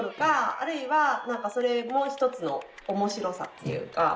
あるいはなんかそれも一つの面白さっていうか。